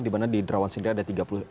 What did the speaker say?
dimana di derawan sendiri ada tiga puluh satu